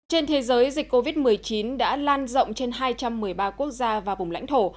trên thế giới dịch covid một mươi chín đã lan rộng trên hai trăm một mươi ba quốc gia và vùng lãnh thổ